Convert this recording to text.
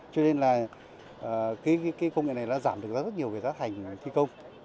cho nên là công nghệ này giảm được rất nhiều về giá thành thi công